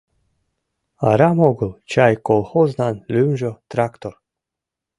Арам огыл чай колхознан лӱмжӧ — «Трактор».